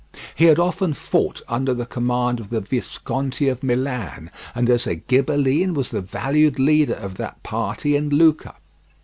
He had often fought under the command of the Visconti of Milan, and as a Ghibelline was the valued leader of that party in Lucca.